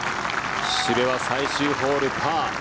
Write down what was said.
岸部は最終ホール、パー。